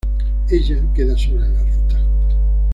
Ella queda sola en la ruta.